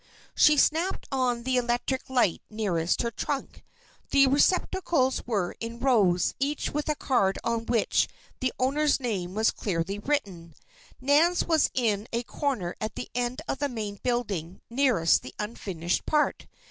She snapped on the electric light nearest to her trunk. The receptacles were in rows, each with a card on which the owner's name was clearly written. Nan's was in a corner at the end of the main building nearest the unfinished part.